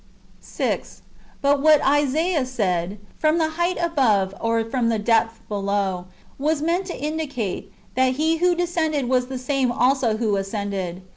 6. But what Isaiah said, " From the height above, or from the depth beneath," "' w^as meant to indicate, that '' He who descended was the same also who ascended."